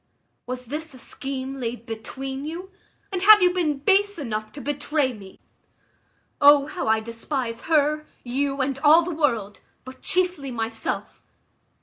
Was this a scheme laid between you, and have you been base enough to betray me? O how I despise her, you, and all the world, but chiefly myself!